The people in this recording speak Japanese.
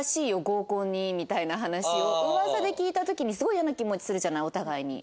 合コンにみたいな話を噂で聞いた時にすごい嫌な気持ちするじゃないお互いに。